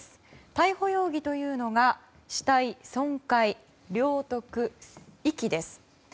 逮捕容疑というのは死体損壊、領得、遺棄です。